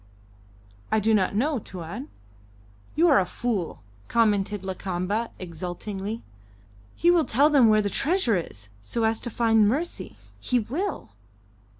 "I do not know, Tuan." "You are a fool," commented Lakamba, exultingly. "He will tell them where the treasure is, so as to find mercy. He will."